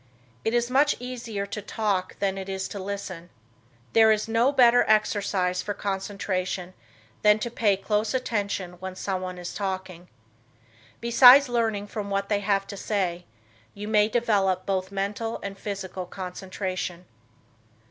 It is much easier to talk than it is to listen. There is no better exercise for concentration than to pay close attention when some one is talking. Besides learning from what they have to say, you may develop both mental and physical concentration.